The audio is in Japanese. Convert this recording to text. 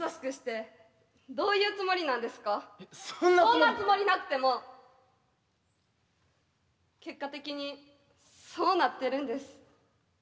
そんなつもりなくても結果的にそうなってるんです。